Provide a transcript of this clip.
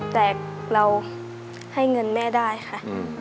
แต่เราให้เงินแม่ได้ค่ะ